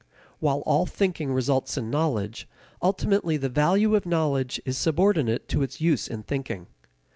While all thinking results in knowledge, ultimately the value of knowledge is subordinate to its use in thinking.